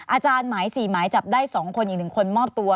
อาจารย์หมาย๔หมายจับได้๒คนอีก๑คนมอบตัว